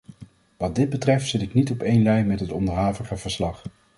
Wat dit betreft zit ik niet op één lijn met het onderhavige verslag.